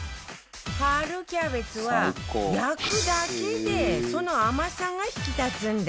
春キャベツは焼くだけでその甘さが引き立つんだって